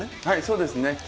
はいそうですね。